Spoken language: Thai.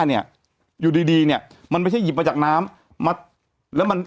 เนี่ยอยู่ดีดีเนี้ยมันไม่ใช่หยิบมาจากน้ำมาแล้วมัน